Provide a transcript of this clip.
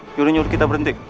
nyuruh nyuruh kita berhenti